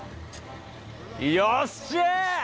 よっしゃー！